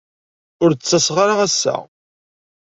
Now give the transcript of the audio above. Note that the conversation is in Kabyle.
Ur d-ttaseɣ ara ass-a.